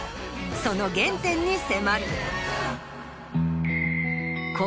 その原点に迫る。